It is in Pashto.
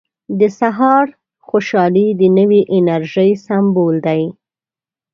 • د سهار خوشحالي د نوې انرژۍ سمبول دی.